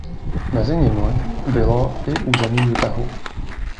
Mezi nimi bylo i území Utahu.